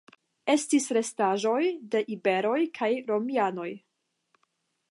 Estis restaĵoj de iberoj kaj romianoj.